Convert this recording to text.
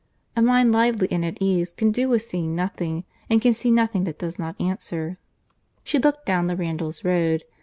A mind lively and at ease, can do with seeing nothing, and can see nothing that does not answer. She looked down the Randalls road.